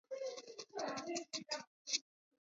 მეორე და მესამე მაგალითები.